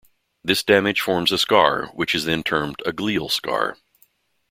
This damage forms a scar which is then termed a glial scar.